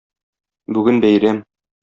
Бүген бәйрәм.